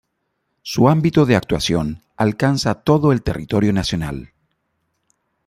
Su ámbito de actuación alcanza todo el territorio nacional.